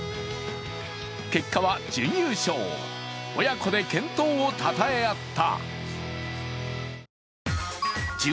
結果は準優勝、親子で健闘をたたえ合った。